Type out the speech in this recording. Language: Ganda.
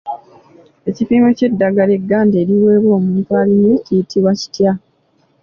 Ekipimo ky'eddagala egganda eriweebwa omuntu alinywe kiyitibwa kitya?